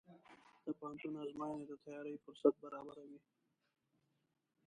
د پوهنتون ازموینې د تیاری فرصت برابروي.